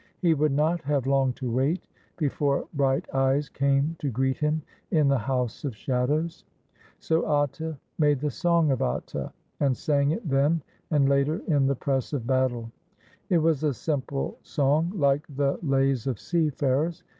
He would not have long to wait before bright eyes came to greet him in the House of Shadows. So Atta made the Song of Atta, and sang it then and later in the press of battle. It was a simple song, like the lays of seafarers.